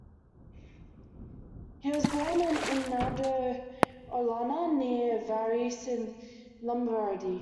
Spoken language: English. He was born in Induno Olona, near Varese, in Lombardy.